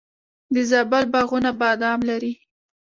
د زابل باغونه بادام لري.